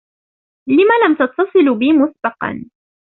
لم لم تتّصلوا بي مسبّقا؟